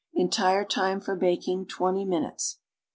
Entire time for baking twenty minutes.